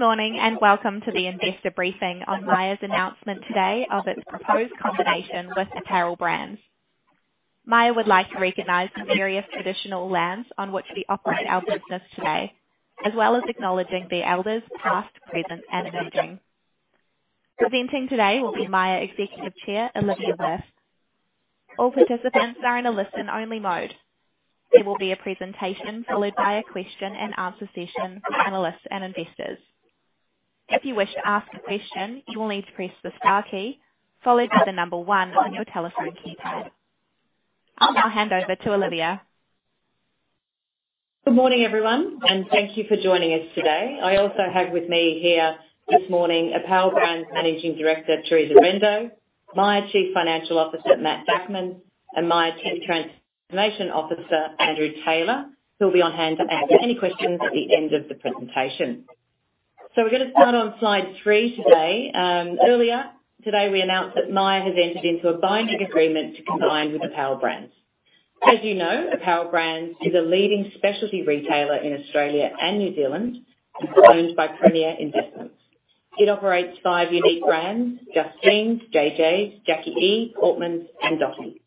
Good morning, and welcome to the investor briefing on Myer's announcement today of its proposed combination with Apparel Brands. Myer would like to recognize the various traditional lands on which we operate our business today, as well as acknowledging the elders, past, present, and emerging. Presenting today will be Myer Executive Chair, Olivia Wirth. All participants are in a listen-only mode. There will be a presentation, followed by a question-and-answer session for analysts and investors. If you wish to ask a question, you will need to press the star key, followed by the number one on your telephone keypad. I'll now hand over to Olivia. Good morning, everyone, and thank you for joining us today. I also have with me here this morning, Apparel Brands Managing Director, Teresa Rendo, Myer Chief Financial Officer, Matt Bachmann, and Myer Chief Transformation Officer, Andrew Taylor, who will be on hand to answer any questions at the end of the presentation. We're gonna start on slide three today. Earlier today, we announced that Myer has entered into a binding agreement to combine with Apparel Brands. As you know, Apparel Brands is a leading specialty retailer in Australia and New Zealand, and owned by Premier Investments. It operates five unique brands: Just Jeans, JJ's, Jacqui E, Portmans, and Dotti.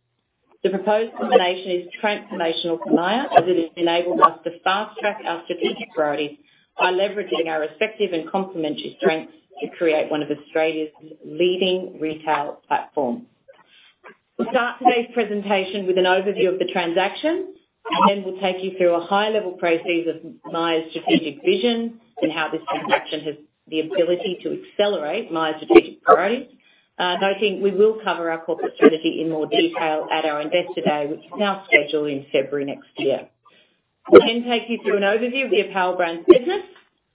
The proposed combination is transformational for Myer, as it has enabled us to fast-track our strategic priorities by leveraging our respective and complementary strengths to create one of Australia's leading retail platforms. We'll start today's presentation with an overview of the transaction, and then we'll take you through a high-level overview of Myer's strategic vision and how this transaction has the ability to accelerate Myer's strategic priorities. Noting, we will cover our corporate strategy in more detail at our Investor Day, which is now scheduled in February next year. We'll then take you through an overview of the Apparel Brands business,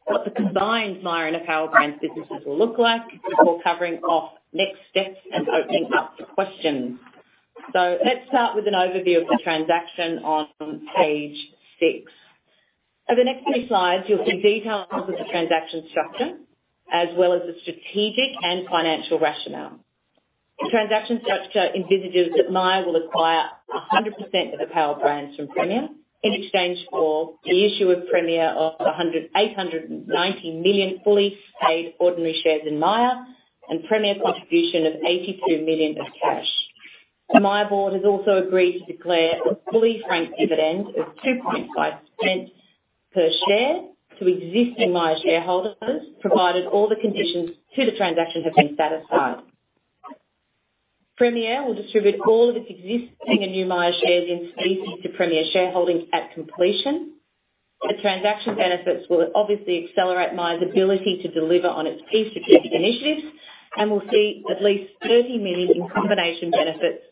what the combined Myer and Apparel Brands businesses will look like, before covering off next steps and opening up for questions, so let's start with an overview of the transaction on page six. Over the next few slides, you'll see details of the transaction structure, as well as the strategic and financial rationale. The transaction structure envisages that Myer will acquire 100% of Apparel Brands from Premier, in exchange for the issue to Premier of 890 million fully paid ordinary shares in Myer, and Premier's contribution of 82 million in cash. The Myer board has also agreed to declare a fully franked dividend of 0.025 per share to existing Myer shareholders, provided all the conditions to the transaction have been satisfied. Premier will distribute all of its existing and new Myer shares in specie to Premier shareholders at completion. The transaction benefits will obviously accelerate Myer's ability to deliver on its key strategic initiatives, and will see at least 30 million in combination benefits,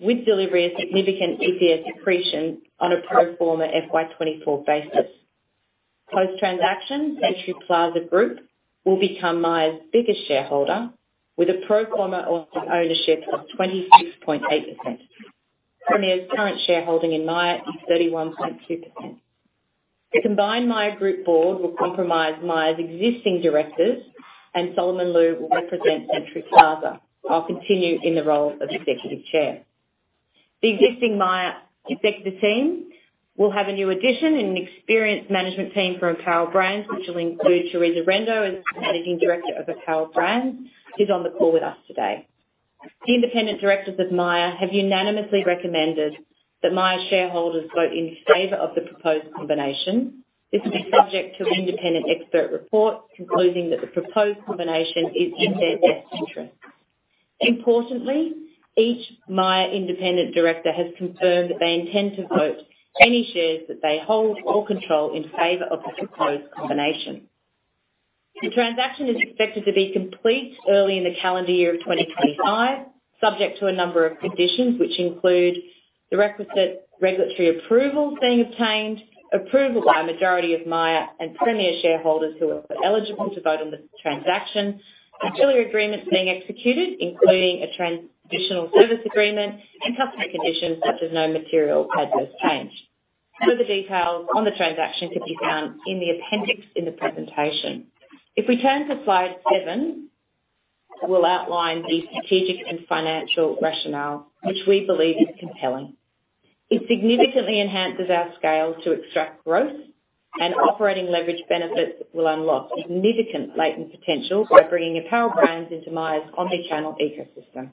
with delivery of significant EPS accretion on a pro forma FY 2024 basis. Post-transaction, Century Plaza Group will become Myer's biggest shareholder, with a pro forma of ownership of 26.8%. Premier's current shareholding in Myer is 31.2%. The combined Myer Group board will comprise Myer's existing directors, and Solomon Lew will represent Century Plaza. I'll continue in the role of Executive Chair. The existing Myer executive team will have a new addition and an experienced management team from Apparel Brands, which will include Teresa Rendo, as Managing Director of Apparel Brands, who's on the call with us today. The independent directors of Myer have unanimously recommended that Myer shareholders vote in favor of the proposed combination. This is subject to an independent expert report, concluding that the proposed combination is in their best interest. Importantly, each Myer independent director has confirmed that they intend to vote any shares that they hold or control in favor of the proposed combination. The transaction is expected to be complete early in the calendar year of 2025, subject to a number of conditions, which include the requisite regulatory approvals being obtained, approval by a majority of Myer and Premier shareholders who are eligible to vote on this transaction, ancillary agreements being executed, including a transitional service agreement, and customary conditions such as no material adverse change. Further details on the transaction can be found in the appendix in the presentation. If we turn to slide seven, we'll outline the strategic and financial rationale, which we believe is compelling. It significantly enhances our scale to extract growth, and operating leverage benefits will unlock significant latent potential by bringing Apparel Brands into Myer's omni-channel ecosystem.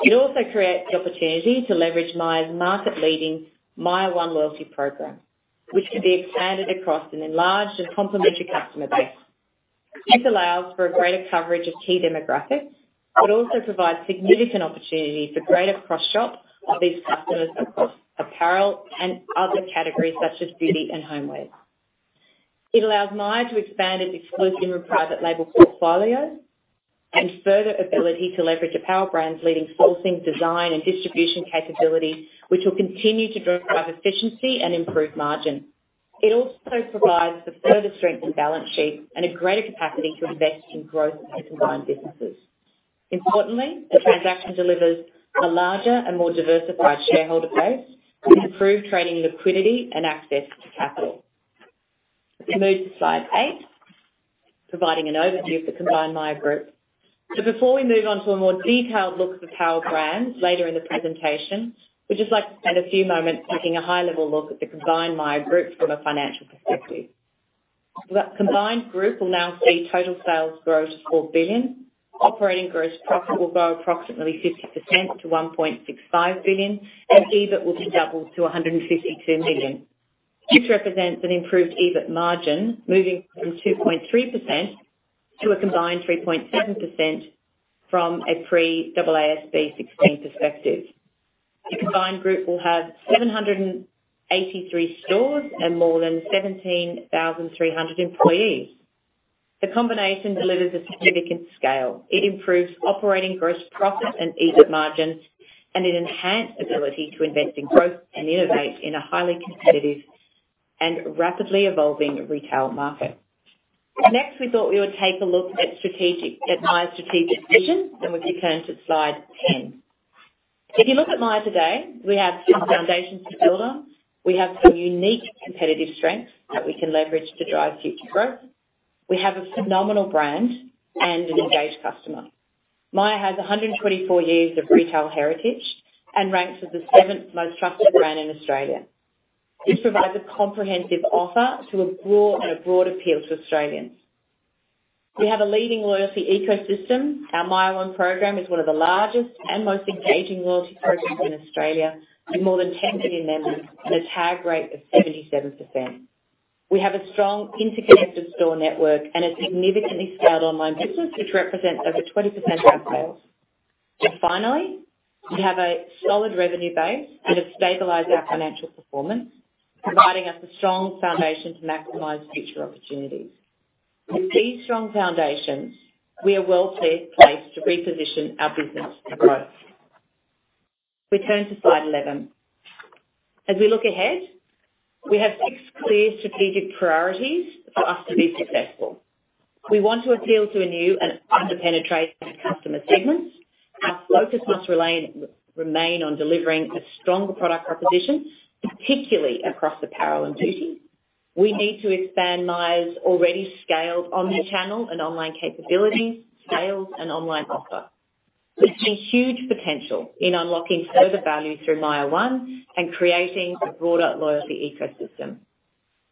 It also creates the opportunity to leverage Myer's market-leading Myer One loyalty program, which can be expanded across an enlarged and complementary customer base. This allows for a greater coverage of key demographics, but also provides significant opportunity for greater cross-shop of these customers across apparel and other categories, such as beauty and homeware. It allows Myer to expand its exclusive and private label portfolio, and further ability to leverage Apparel Brands' leading sourcing, design, and distribution capabilities, which will continue to drive efficiency and improve margin. It also provides the further strength and balance sheet and a greater capacity to invest in growth of the combined businesses. Importantly, the transaction delivers a larger and more diversified shareholder base, with improved trading liquidity and access to capital. Let's move to slide eight, providing an overview of the combined Myer Group. So before we move on to a more detailed look at the Power Brands later in the presentation, we'd just like to spend a few moments taking a high-level look at the combined Myer group from a financial perspective. The combined group will now see total sales grow to 4 billion, operating gross profit will grow approximately 50% to 1.65 billion, and EBIT will be doubled to 152 million. This represents an improved EBIT margin, moving from 2.3% to a combined 3.7% from a pre-AASB 16 perspective. The combined group will have 783 stores and more than 17,300 employees. The combination delivers a significant scale. It improves operating gross profit and EBIT margins, and an enhanced ability to invest in growth and innovate in a highly competitive and rapidly evolving retail market. Next, we thought we would take a look at strategic, at Myer's strategic vision, and we turn to slide 10. If you look at Myer today, we have some foundations to build on. We have some unique competitive strengths that we can leverage to drive future growth. We have a phenomenal brand and an engaged customer. Myer has a hundred and twenty-four years of retail heritage and ranks as the seventh most trusted brand in Australia. This provides a comprehensive offer to a broad, and a broad appeal to Australians. We have a leading loyalty ecosystem. Our Myer One program is one of the largest and most engaging loyalty programs in Australia, with more than 10 million members and a tag rate of 77%. We have a strong interconnected store network and a significantly scaled online business, which represents over 20% of our sales. Finally, we have a solid revenue base that has stabilized our financial performance, providing us a strong foundation to maximize future opportunities. With these strong foundations, we are well placed to reposition our business to growth. We turn to slide 11. As we look ahead, we have six clear strategic priorities for us to be successful. We want to appeal to a new and underpenetrated customer segments. Our focus must remain on delivering a stronger product proposition, particularly across apparel and beauty. We need to expand Myer's already scaled omnichannel and online capability, sales, and online offer. We see huge potential in unlocking further value through Myer One and creating a broader loyalty ecosystem.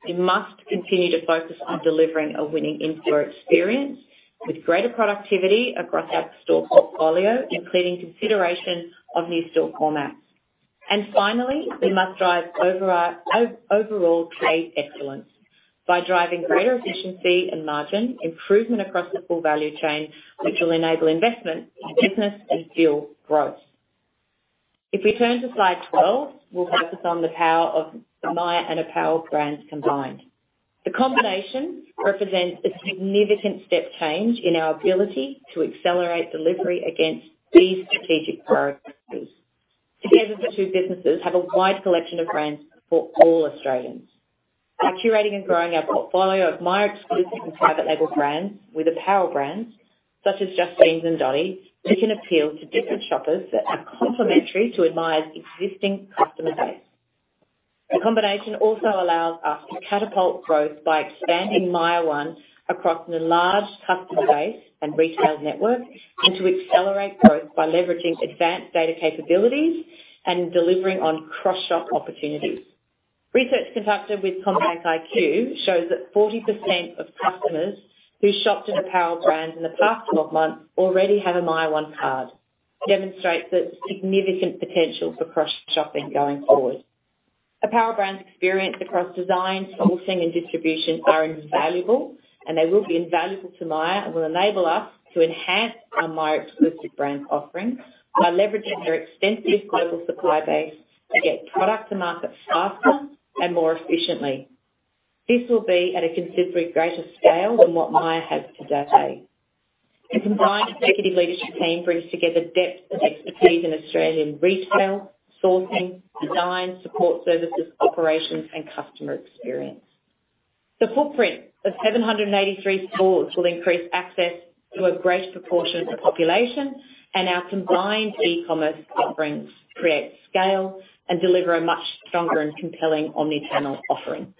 We must continue to focus on delivering a winning in-store experience with greater productivity across our store portfolio, including consideration of new store formats. And finally, we must drive overall trade excellence by driving greater efficiency and margin improvement across the full value chain, which will enable investment in business and fuel growth. If we turn to slide twelve, we'll focus on the power of Myer and apparel brands combined. The combination represents a significant step change in our ability to accelerate delivery against these strategic priorities. Together, the two businesses have a wide collection of brands for all Australians. By curating and growing our portfolio of Myer exclusive and private label brands with Apparel Brands, such as Just Jeans and Dotti, we can appeal to different shoppers that are complementary to our Myer existing customer base. The combination also allows us to catapult growth by expanding Myer One across an enlarged customer base and retail network, and to accelerate growth by leveraging advanced data capabilities and delivering on cross-shop opportunities. Research conducted with CommBank iQ shows that 40% of customers who shopped at Apparel Brands in the past 12 months already have a Myer One card. Demonstrates the significant potential for cross-shopping going forward. Apparel Brands' experience across design, sourcing, and distribution are invaluable, and they will be invaluable to Myer and will enable us to enhance our Myer exclusive brand offering by leveraging their extensive global supply base to get product to market faster and more efficiently. This will be at a considerably greater scale than what Myer has today. The combined executive leadership team brings together depth of expertise in Australian retail, sourcing, design, support services, operations, and customer experience. The footprint of seven hundred and eighty-three stores will increase access to a great proportion of the population, and our combined e-commerce offerings create scale and deliver a much stronger and compelling omnichannel offering.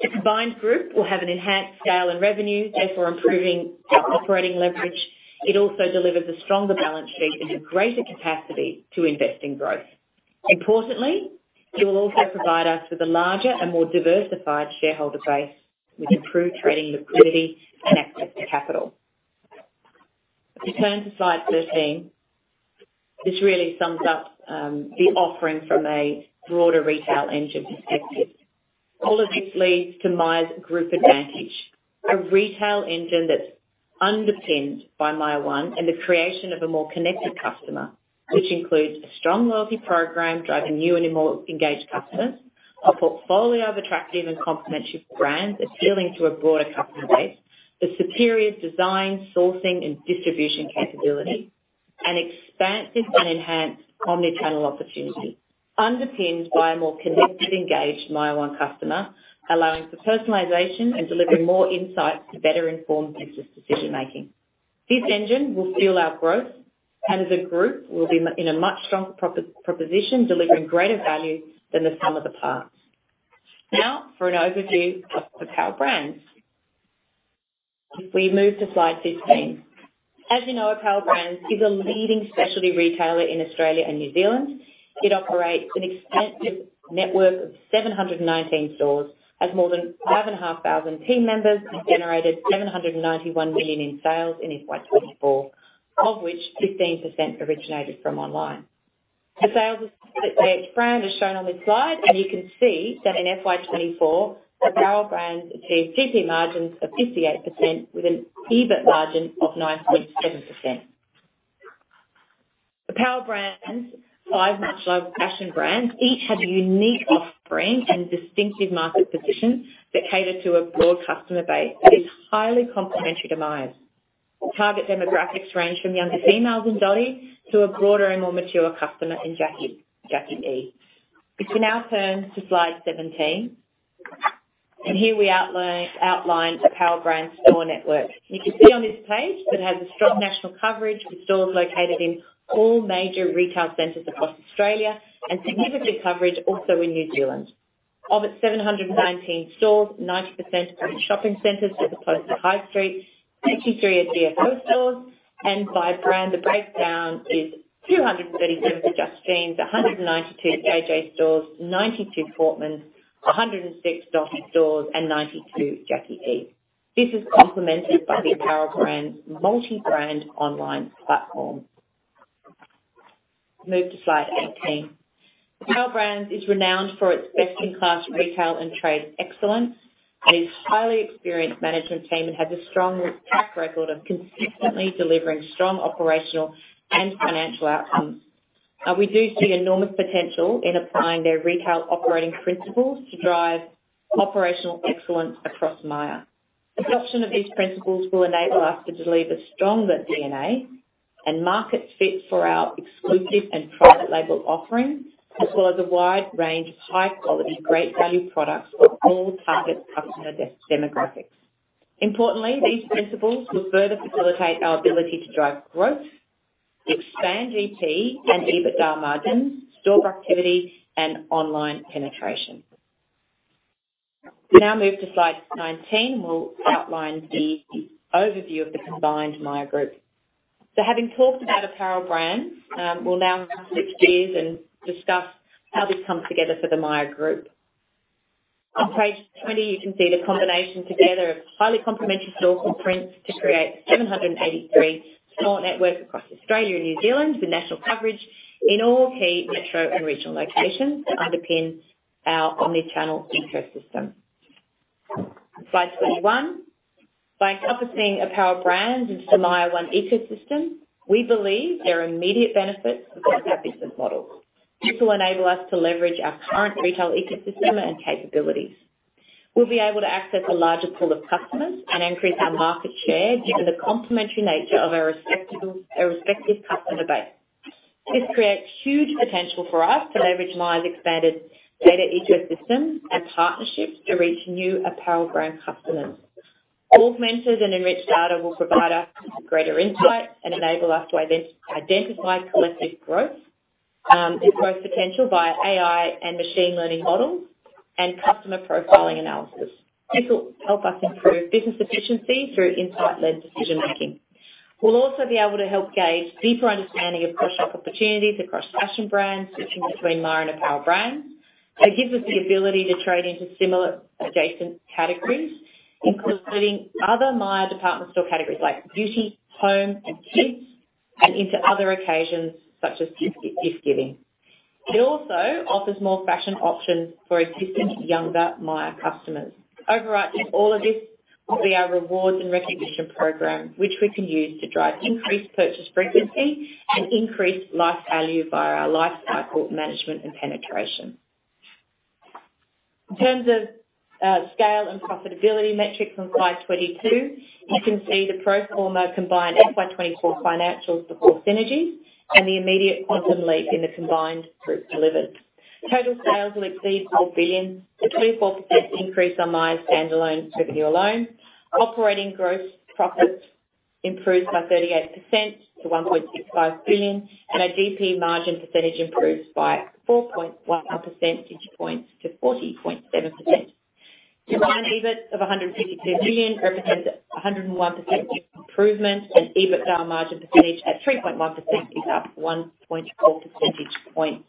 The combined group will have an enhanced scale and revenue, therefore improving our operating leverage. It also delivers a stronger balance sheet and a greater capacity to invest in growth. Importantly, it will also provide us with a larger and more diversified shareholder base, with improved trading liquidity and access to capital. If you turn to slide thirteen, this really sums up the offering from a broader retail engine perspective. All of this leads to Myer's group advantage, a retail engine that's underpinned by Myer One, and the creation of a more connected customer, which includes a strong loyalty program driving new and more engaged customers, a portfolio of attractive and complementary brands appealing to a broader customer base. The superior design, sourcing, and distribution capability, and expansive and enhanced omnichannel opportunity, underpinned by a more connected, engaged Myer One customer, allowing for personalization and delivering more insights to better inform business decision-making. This engine will fuel our growth, and as a group, we'll be in a much stronger proposition, delivering greater value than the sum of the parts. Now, for an overview of Apparel Brands. If we move to slide 16, as you know, Apparel Brands is a leading specialty retailer in Australia and New Zealand. It operates an extensive network of 719 stores, has more than 5,500 team members, and generated 791 million in sales in FY 2024, of which 15% originated from online. The sales of each brand is shown on this slide, and you can see that in FY 2024, Apparel Brands achieved GP margins of 58% with an EBIT margin of 9.7%. Apparel Brands' five much-loved fashion brands each have a unique offering and distinctive market position that cater to a broad customer base that is highly complementary to Myer. Target demographics range from younger females in Dotti to a broader and more mature customer in Jacqui E. If you now turn to slide 17, and here we outline Apparel Brands' store network. You can see on this page that it has a strong national coverage, with stores located in all major retail centers across Australia and significant coverage also in New Zealand. Of its 719 stores, 90% are in shopping centers as opposed to high street, 63 are DFO stores, and by brand, the breakdown is 237 for Just Jeans, 192 Jay Jays stores, 92 Portmans, 106 Dotti stores, and 92 Jacqui E. This is complemented by the Apparel Brands multi-brand online platform. Move to slide 18. Apparel Brands is renowned for its best-in-class retail and trade excellence and its highly experienced management team, and has a strong track record of consistently delivering strong operational and financial outcomes. We do see enormous potential in applying their retail operating principles to drive operational excellence across Myer. Adoption of these principles will enable us to deliver stronger DNA and market fit for our exclusive and private label offerings, as well as a wide range of high-quality, great value products for all target customer demographics. Importantly, these principles will further facilitate our ability to drive growth, expand GP and EBITDA margins, store activity, and online penetration. We now move to slide nineteen. We'll outline the overview of the combined Myer group. So having talked about Apparel Brands, we'll now switch gears and discuss how this comes together for the Myer group. On page twenty, you can see the combination together of highly complementary store footprints to create seven hundred and eighty-three store network across Australia and New Zealand, with national coverage in all key metro and regional locations that underpin our omnichannel ecosystem. Slide twenty-one. By encompassing Apparel Brands into Myer one ecosystem, we believe there are immediate benefits for our business model. This will enable us to leverage our current retail ecosystem and capabilities. We'll be able to access a larger pool of customers and increase our market share, given the complementary nature of our respectable, our respective customer base. This creates huge potential for us to leverage Myer's expanded data ecosystem and partnerships to reach new Apparel Brand customers. Augmented and enriched data will provide us with greater insight and enable us to identify collective growth and growth potential via AI and machine learning models and customer profiling analysis. This will help us improve business efficiency through insight-led decision-making. We'll also be able to help gauge deeper understanding of cross-sell opportunities across fashion brands, switching between Myer and Apparel Brands. It gives us the ability to trade into similar adjacent categories, including other Myer department store categories like beauty, home, and kids, and into other occasions, such as gift giving. It also offers more fashion options for existing younger Myer customers. Overarching all of this will be our rewards and recognition program, which we can use to drive increased purchase frequency and increase life value via our lifecycle management and penetration. In terms of scale and profitability metrics on slide 22, you can see the pro forma combined FY 2024 financials before synergies and the immediate quantum leap in the combined group delivered. Total sales will exceed 4 billion, a 24% increase on Myer standalone revenue alone. Operating gross profit improved by 38% to 1.65 billion, and our GP margin percentage improves by 4.1 percentage points to 40.7%. Combined EBIT of 152 billion represents a 101% improvement, and EBITDA margin percentage at 3.1% is up 1.4 percentage points.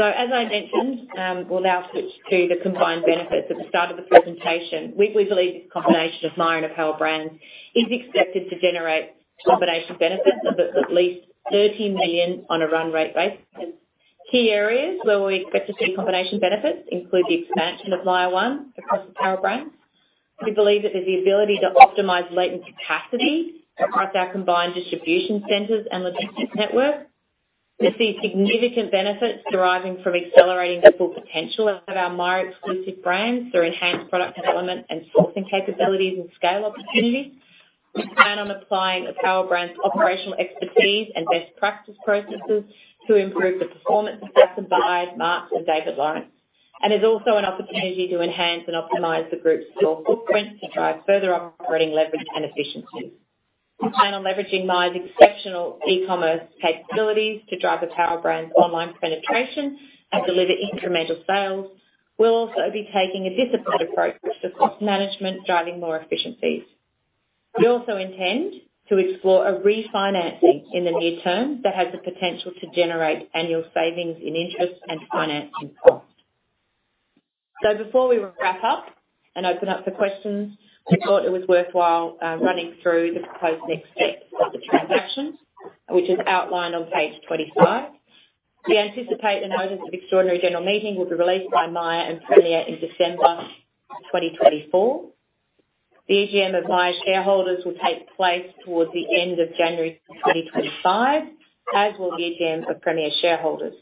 As I mentioned, we'll now switch to the combined benefits. At the start of the presentation, we believe this combination of Myer and Apparel Brands is expected to generate combination benefits of at least 13 billion on a run rate basis. Key areas where we expect to see combination benefits include the expansion of Myer One across Apparel Brands. We believe that there's the ability to optimize latent capacity across our combined distribution centers and logistics network. We see significant benefits deriving from accelerating the full potential of our Myer exclusive brands through enhanced product development and sourcing capabilities and scale opportunities. We plan on applying Apparel Brands' operational expertise and best practice processes to improve the performance of Marcs and David Lawrence, and there's also an opportunity to enhance and optimize the group's store footprint to drive further operating leverage and efficiency. We plan on leveraging Myer's exceptional e-commerce capabilities to drive Apparel Brands' online penetration and deliver incremental sales. We'll also be taking a disciplined approach to cost management, driving more efficiencies. We also intend to explore a refinancing in the near term that has the potential to generate annual savings in interest and financing costs, so before we wrap up and open up for questions, I thought it was worthwhile running through the proposed next steps of the transaction, which is outlined on page 25. We anticipate the notice of extraordinary general meeting will be released by Myer and Premier in December 2024. The AGM of Myer shareholders will take place towards the end of January 2025, as will the AGM of Premier shareholders.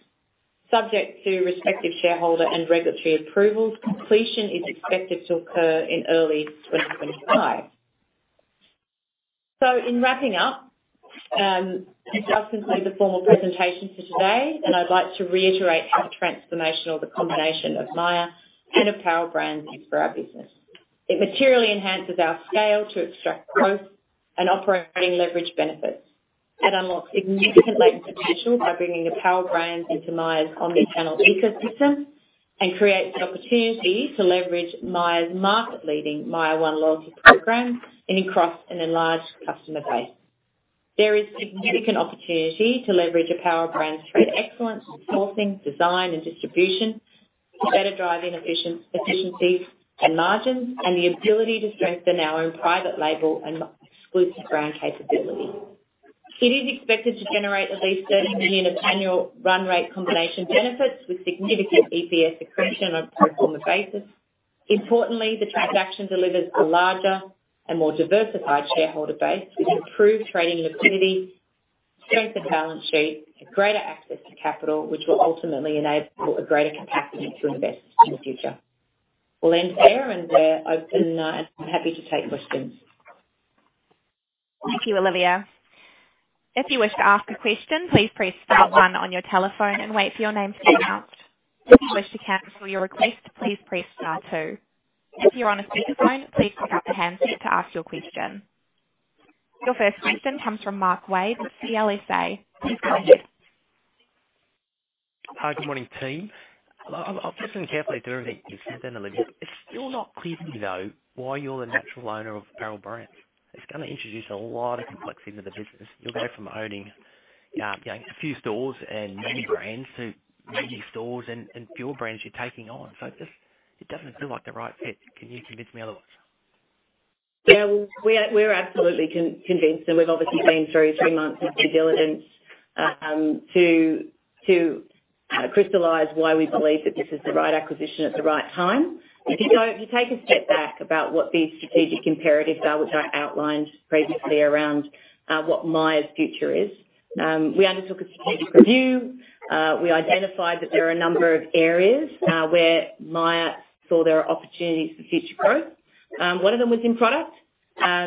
Subject to respective shareholder and regulatory approvals, completion is expected to occur in early 2025. So in wrapping up, I'll conclude the formal presentation for today, and I'd like to reiterate how transformational the combination of Myer and Apparel Brands is for our business. It materially enhances our scale to extract costs and operating leverage benefits. It unlocks significant latent potential by bringing Apparel Brands into Myer's omni-channel ecosystem and creates an opportunity to leverage Myer's market-leading Myer One loyalty program and across an enlarged customer base. There is significant opportunity to leverage Apparel Brands' excellent sourcing, design, and distribution to better drive efficiencies and margins, and the ability to strengthen our own private label and exclusive brand capability. It is expected to generate at least 30 million of annual run rate combination benefits with significant EPS accretion on a pro forma basis. Importantly, the transaction delivers a larger and more diversified shareholder base with improved trading liquidity, strengthened balance sheet, and greater access to capital, which will ultimately enable a greater capacity to invest in the future. We'll end there, and we're open and happy to take questions. Thank you, Olivia. If you wish to ask a question, please press star one on your telephone and wait for your name to be announced. If you wish to cancel your request, please press star two. If you're on a speakerphone, please pick up the handset to ask your question. Your first question comes from Mark Wade, CLSA. Please go ahead. Hi, good morning, team. I'm listening carefully to everything you've said then, Olivia. It's still not clear to me, though, why you're the natural owner of Apparel Brands. It's gonna introduce a lot of complexity into the business. You'll go from owning, you know, a few stores and many brands to many stores and fewer brands you're taking on. So just, it doesn't feel like the right fit. Can you convince me otherwise? We're absolutely convinced, and we've obviously been through three months of due diligence to crystallize why we believe that this is the right acquisition at the right time. If you take a step back about what the strategic imperatives are, which I outlined previously around what Myer's future is, we undertook a strategic review. We identified that there are a number of areas where Myer saw there are opportunities for future growth. One of them was in product,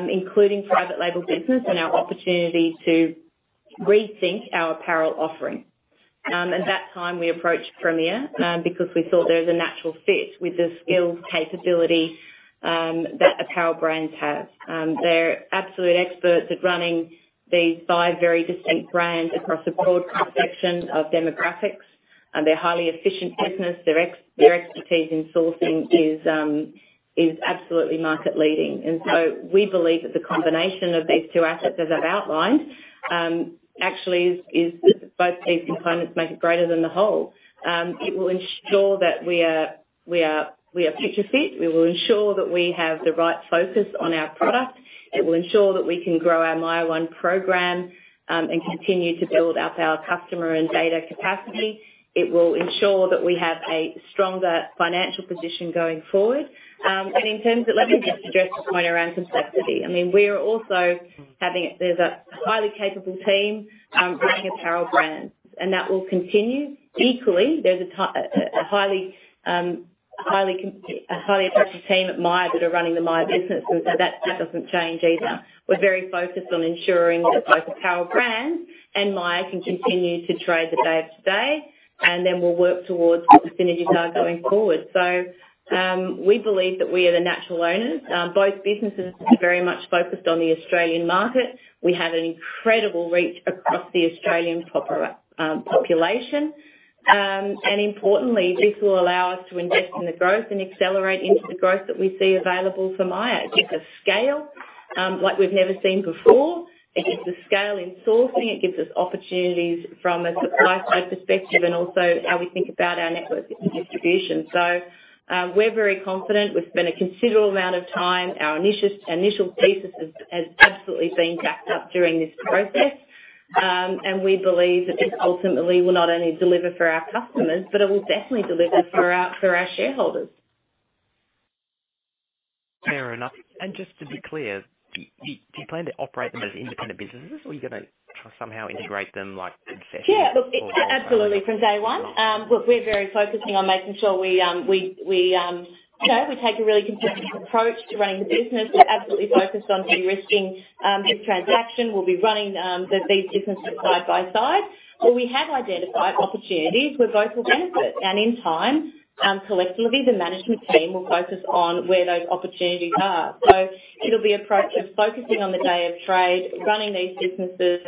including private label business and our opportunity to rethink our apparel offering. At that time, we approached Premier because we thought there was a natural fit with the skill capability that Apparel Brands have. They're absolute experts at running these five very distinct brands across a broad cross-section of demographics, and they're a highly efficient business. Their expertise in sourcing is absolutely market leading. And so we believe that the combination of these two assets, as I've outlined, actually is both these components make it greater than the whole. It will ensure that we are future fit. We will ensure that we have the right focus on our product. It will ensure that we can grow our Myer One program, and continue to build up our customer and data capacity. It will ensure that we have a stronger financial position going forward. And in terms of... Let me just address the point around complexity. I mean, there's a highly capable team running Apparel Brands, and that will continue. Equally, there's a highly effective team at Myer that are running the Myer business, and so that doesn't change either. We're very focused on ensuring that both Apparel Brands and Myer can continue to trade the day-to-day, and then we'll work towards the synergies going forward. So, we believe that we are the natural owners. Both businesses are very much focused on the Australian market. We have an incredible reach across the Australian population, and importantly, this will allow us to invest in the growth and accelerate into the growth that we see available for Myer. It gives us scale like we've never seen before. It gives us scale in sourcing, it gives us opportunities from a supply side perspective and also how we think about our network and distribution. So, we're very confident. We've spent a considerable amount of time. Our initial thesis has absolutely been backed up during this process, and we believe that this ultimately will not only deliver for our customers, but it will definitely deliver for our shareholders. Fair enough. And just to be clear, do you plan to operate them as independent businesses, or are you gonna somehow integrate them, like, in session? Yeah, look, absolutely, from day one. Look, we're very focusing on making sure we, you know, we take a really consistent approach to running the business. We're absolutely focused on de-risking this transaction. We'll be running these businesses side by side. But we have identified opportunities where both will benefit, and in time, collectively, the management team will focus on where those opportunities are. So it'll be approach of focusing on the day of trade, running these businesses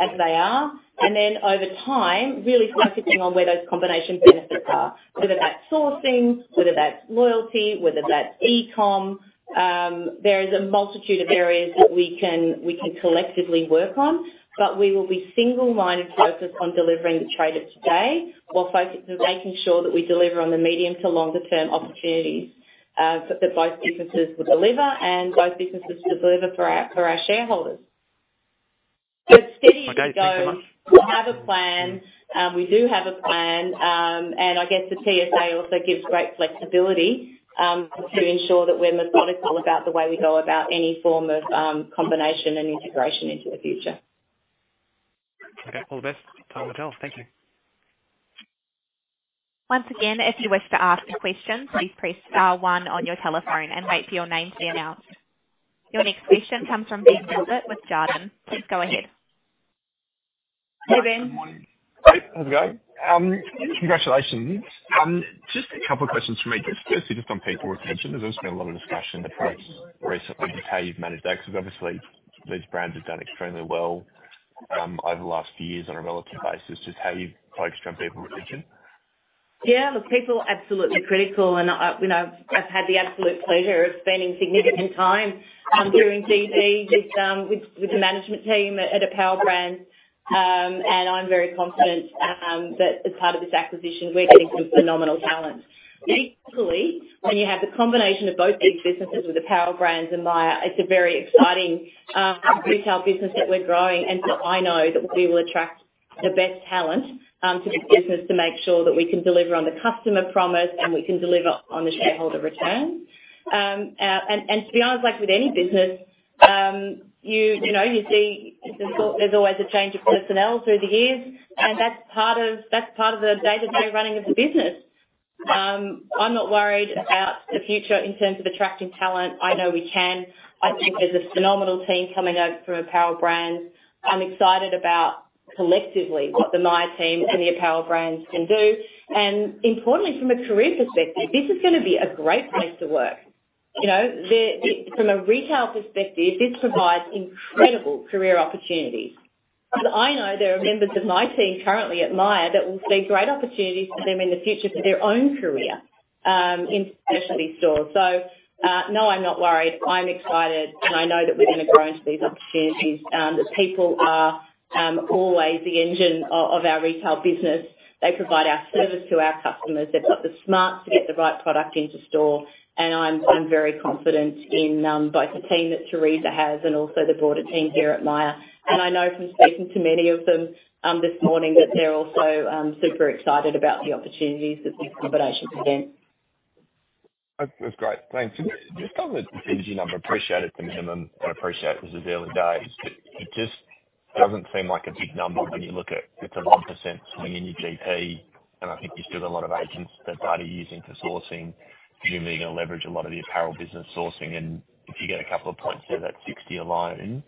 as they are, and then over time, really focusing on where those combination benefits are, whether that's sourcing, whether that's loyalty, whether that's e-com-... There is a multitude of areas that we can collectively work on, but we will be single-mindedly focused on delivering the trade of today, while focused on making sure that we deliver on the medium to longer term opportunities, that both businesses will deliver and both businesses deliver for our shareholders. Okay, thanks so much. We have a plan. We do have a plan, and I guess the TSA also gives great flexibility to ensure that we're methodical about the way we go about any form of combination and integration into the future. Okay, all the best. Talk again. Thank you. Once again, if you wish to ask a question, please press star one on your telephone and wait for your name to be announced. Your next question comes from Ben Gilbert with Jarden. Please go ahead. Good morning. Hey Ben. Hi, how's it going? Congratulations. Just a couple of questions from me. Just, just on people retention, there's been a lot of discussion about recently, just how you've managed that, because obviously these brands have done extremely well, over the last few years on a relative basis, just how you've focused on people retention. Yeah, look, people are absolutely critical, and I, you know, I've had the absolute pleasure of spending significant time doing DD with the management team at Apparel Brands. And I'm very confident that as part of this acquisition, we're getting some phenomenal talent. Basically, when you have the combination of both these businesses with Apparel Brands and Myer, it's a very exciting retail business that we're growing. And so I know that we will attract the best talent to the business to make sure that we can deliver on the customer promise, and we can deliver on the shareholder returns. And to be honest, like with any business, you know, you see there's always a change of personnel through the years, and that's part of the day-to-day running of the business. I'm not worried about the future in terms of attracting talent. I know we can. I think there's a phenomenal team coming over from Apparel Brands. I'm excited about collectively, what the Myer team and the Apparel Brands can do. And importantly, from a career perspective, this is gonna be a great place to work. You know, from a retail perspective, this provides incredible career opportunities. And I know there are members of my team currently at Myer that will see great opportunities for them in the future for their own career, in specialty stores. So, no, I'm not worried. I'm excited, and I know that we're going to grow into these opportunities. The people are always the engine of our retail business. They provide our service to our customers. They've got the smarts to get the right product into store, and I'm very confident in both the team that Teresa has and also the broader team here at Myer. I know from speaking to many of them this morning that they're also super excited about the opportunities that this combination presents. That's great. Thanks. Just on the synergy number, I appreciate it's minimum, and I appreciate this is early days, but it just doesn't seem like a big number when you look at it, it's a low percent swing in your GP, and I think there's still a lot of agents that are using for sourcing. Presumably, you're going to leverage a lot of the apparel business sourcing, and if you get a couple of points there, that's 60 alone.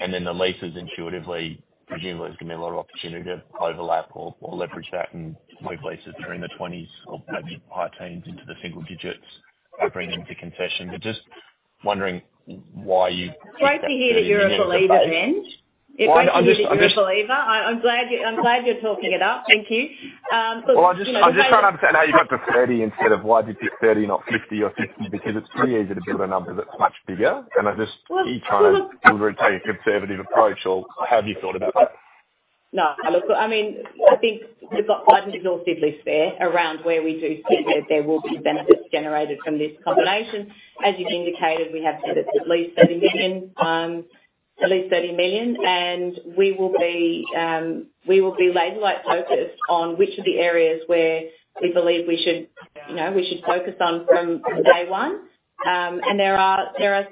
And then the leases intuitively, presumably, there's going to be a lot of opportunity to overlap or leverage that and move leases that are in the twenties or maybe high teens into the single digits by bringing them to concession. But just wondering why you- Great to hear that you're a believer, Ben. I'm just- I'm glad you're talking it up. Thank you. Look, you know- I'm just trying to understand how you got to 30 instead of why you picked 30, not 50 or 60, because it's pretty easy to build a number that's much bigger, and I just, are you trying to take a conservative approach or how have you thought about that? No, look, I mean, I think we've got an exhaustive list there around where we do think that there will be benefits generated from this combination. As you've indicated, we have said it's at least 30 million, and we will be laser-like focused on which of the areas where we believe we should, you know, we should focus on from day one. And there are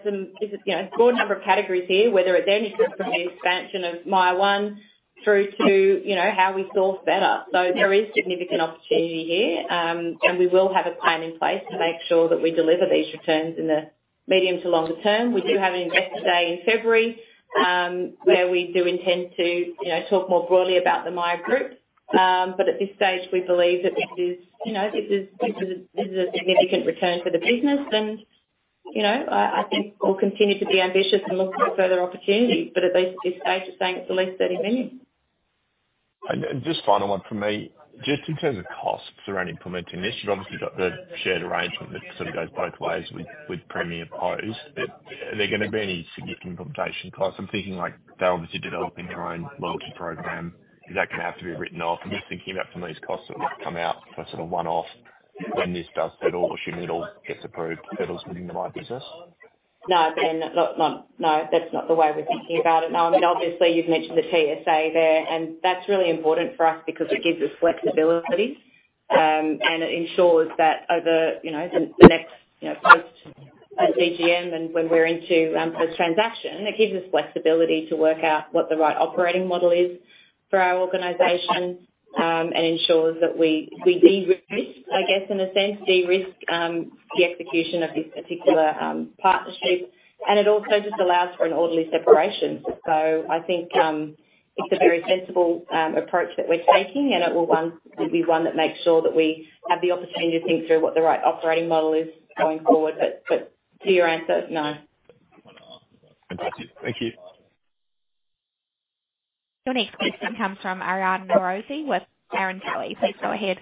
some, you know, a good number of categories here, whether it's anything from the expansion of Myer One through to, you know, how we source better. So there is significant opportunity here, and we will have a plan in place to make sure that we deliver these returns in the medium to longer term. We do have an investor day in February, where we do intend to, you know, talk more broadly about the Myer group. But at this stage, we believe that this is, you know, a significant return for the business. You know, I think we'll continue to be ambitious and look for further opportunities, but at least at this stage, we're saying it's at least 30 million. Just final one from me. Just in terms of costs around implementing this, you've obviously got the shared arrangement that sort of goes both ways with Premier Investments. Are there gonna be any significant implementation costs? I'm thinking like, they're obviously developing their own loyalty program. Is that going to have to be written off? I'm just thinking about some of these costs that might come out for sort of one-off when this does settle, assuming it all gets approved, settles within my business. No, Ben, no. No, that's not the way we're thinking about it. No, I mean, obviously, you've mentioned the TSA there, and that's really important for us because it gives us flexibility, and it ensures that over, you know, the next, you know, post-CGM and when we're into post-transaction, it gives us flexibility to work out what the right operating model is for our organization, and ensures that we de-risk, I guess, in a sense, de-risk the execution of this particular partnership. And it also just allows for an orderly separation. So I think it's a very sensible approach that we're taking, and it will be one that makes sure that we have the opportunity to think through what the right operating model is going forward. But to your answer, no. Thank you. ... Your next question comes from Aryan Norozi with Barrenjoey. Please go ahead.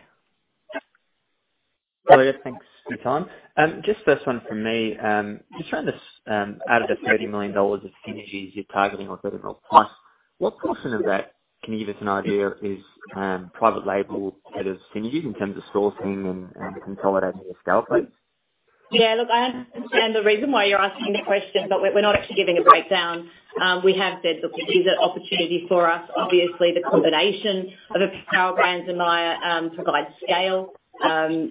Olivia, thanks for your time. Just first one from me, just trying to suss out of the 30 million dollars of synergies you're targeting on retail price, what portion of that can you give us an idea is private label out of synergies in terms of sourcing and consolidating your scale points? Yeah, look, I understand the reason why you're asking me the question, but we're not actually giving a breakdown. We have said, look, this is an opportunity for us. Obviously, the combination of our brands and Myer provide scale. And,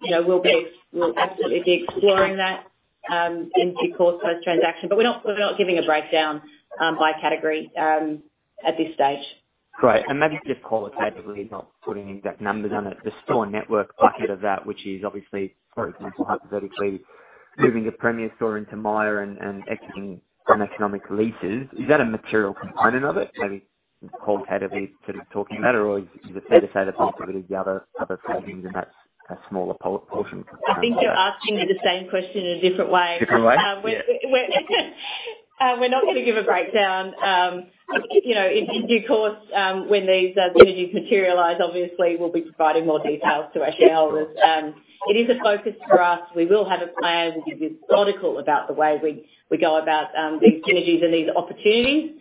you know, we'll absolutely be exploring that in due course, post-transaction. But we're not giving a breakdown by category at this stage. Great. And maybe just qualitatively, not putting exact numbers on it, the store network bucket of that, which is obviously, for example, hypothetically, moving a Premier store into Myer and, and exiting from economic leases. Is that a material component of it, maybe qualitatively sort of talking about it? Or is it fair to say that most of it is the other, other savings and that's a smaller portion? I think you're asking me the same question in a different way. Different way? Yeah. We're not going to give a breakdown. You know, in due course, when these synergies materialize, obviously we'll be providing more details to our shareholders. It is a focus for us. We will have a plan. We'll be methodical about the way we go about these synergies and these opportunities.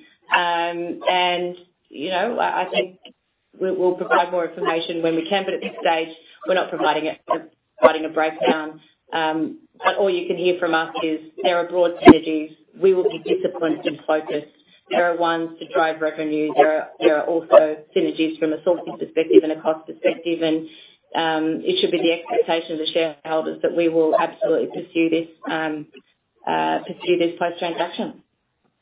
You know, I think we will provide more information when we can, but at this stage, we're not providing it, providing a breakdown, but all you can hear from us is there are broad synergies. We will be disciplined and focused. There are ones to drive revenue. There are also synergies from a sourcing perspective and a cost perspective, and it should be the expectation of the shareholders that we will absolutely pursue this, pursue this post-transaction.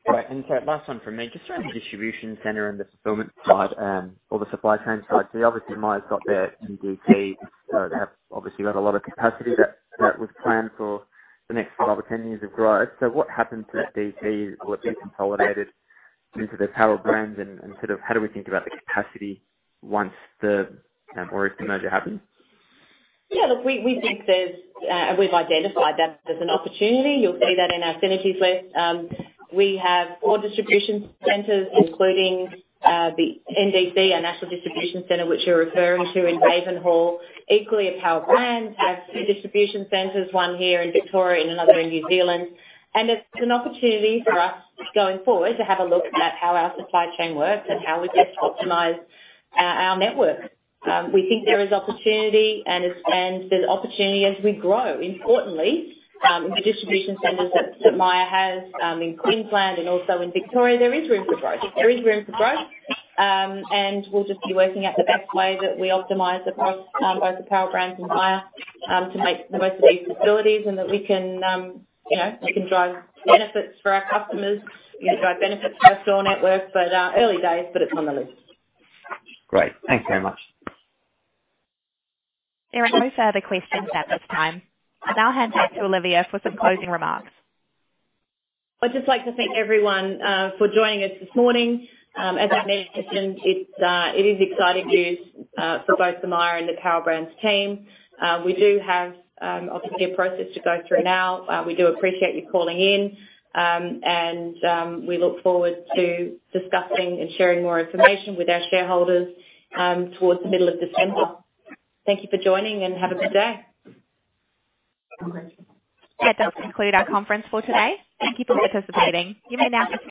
Great, and so last one from me. Just around the distribution center and the fulfillment side, or the supply chain side. So obviously, Myer's got their NDC. They have obviously got a lot of capacity that was planned for the next five or 10 years of growth. So what happens to that DC? Will it be consolidated into the Power Brands and sort of how do we think about the capacity once the, or if the merger happens? Yeah, look, we think there's an opportunity. We've identified that there's an opportunity. You'll see that in our synergies list. We have four distribution centers, including the NDC, our national distribution center, which you're referring to in Ravenhall. Equally, Apparel Brands have two distribution centers, one here in Victoria and another in New Zealand, and it's an opportunity for us going forward to have a look at how our supply chain works and how we best optimize our network. We think there is opportunity and there's opportunity as we grow. Importantly, in the distribution centers that Myer has, in Queensland and also in Victoria, there is room for growth. There is room for growth, and we'll just be working out the best way that we optimize both the Power Brands and Myer to make the most of these facilities, and that we can, you know, we can drive benefits for our customers and drive benefits for our store network. But early days, but it's on the list. Great. Thanks very much. There are no further questions at this time. I now hand back to Olivia for some closing remarks. I'd just like to thank everyone for joining us this morning. As I mentioned, it is exciting news for both the Myer and the Apparel Brands team. We do have obviously a process to go through now. We do appreciate you calling in and we look forward to discussing and sharing more information with our shareholders towards the middle of December. Thank you for joining, and have a good day. Yeah, that concludes our conference for today. Thank you for participating. You may now disconnect.